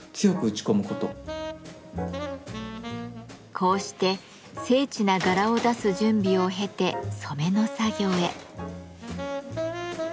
こうして精緻な柄を出す準備を経て染めの作業へ。